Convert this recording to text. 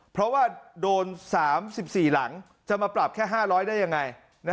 เพราะว่าโดน๓๔หลังจะมาปรับแค่๕๐๐ได้ยังไง